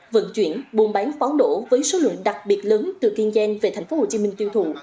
vận chuyển buôn bán pháo nổ với số lượng đặc biệt lớn từ kiên giang về tp hcm tiêu thụ